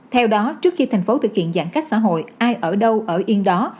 theo đó trước khi tp hcm thực hiện giãn cách xã hội ai ở đâu ở yên đó